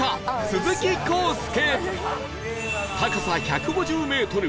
高さ１５０メートル